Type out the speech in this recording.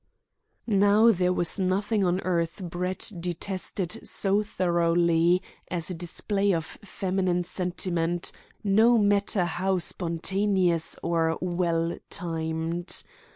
Now there was nothing on earth Brett detested so thoroughly as a display of feminine sentiment, no matter how spontaneous or well timed.